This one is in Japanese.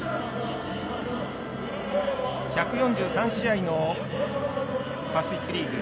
１４３試合のパシフィック・リーグ。